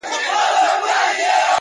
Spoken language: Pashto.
هره لاسته راوړنه د باور نښه ده,